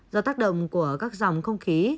do tác động của các dòng không khí